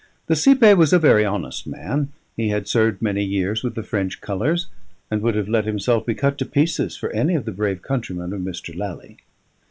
The cipaye was a very honest man; he had served many years with the French colours, and would have let himself be cut to pieces for any of the brave countrymen of Mr. Lally.